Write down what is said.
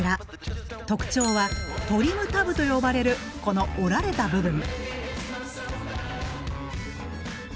特徴はトリムタブと呼ばれるこの折られた部分。